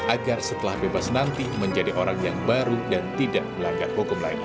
agar setelah bebas nanti menjadi orang yang baru dan tidak melanggar hukum lain